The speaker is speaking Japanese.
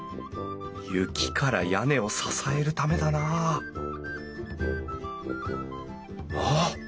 雪から屋根を支えるためだなあっ！